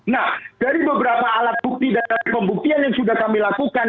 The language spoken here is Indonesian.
nah dari beberapa alat bukti dan pembuktian yang sudah kami lakukan